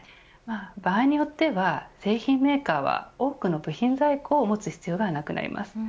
場合によっては製品メーカーは多くの部品在庫を持つ必要がなくなります。